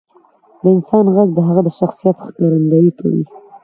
• د انسان ږغ د هغه د شخصیت ښکارندویي کوي.